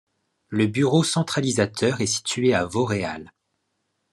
Le bureau centralisateur est situé à Vauréal.